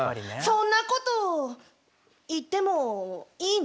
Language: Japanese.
そんなこと言ってもいいの？